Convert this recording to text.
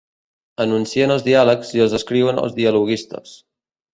Anuncien els diàlegs i els escriuen els dialoguistes.